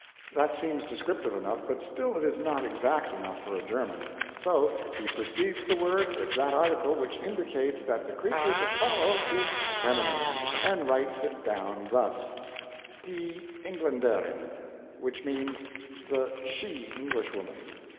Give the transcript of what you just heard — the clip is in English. That seems descriptive enough, but still it is not exact enough for a German; so he precedes the word with that article which indicates that the creature to follow is feminine, and writes it down thus: "die Engländerinn," which means "the she Englishwoman."